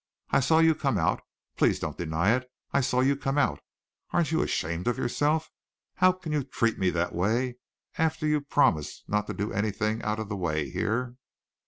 I saw you come out. Please don't deny it. I saw you come out. Aren't you ashamed of yourself? How can you treat me that way after your promise not to do anything out of the way here?"